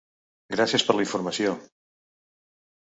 Gràcies per la informació!